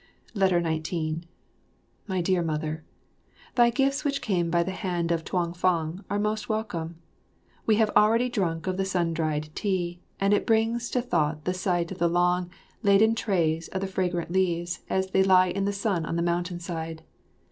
19 My Dear Mother, Thy gifts which came by the hand of Tuang fang are most welcome. We have already drunk of the sun dried tea, and it brings to thought the sight of the long, laden trays of the fragrant leaves as they lie in the sun on the mountain side.